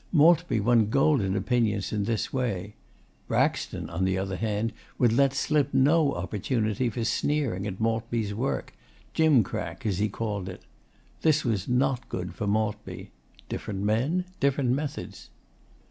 Maltby won golden opinions in this way. Braxton, on the other hand, would let slip no opportunity for sneering at Maltby's work 'gimcrack,' as he called it. This was not good for Maltby. Different men, different methods.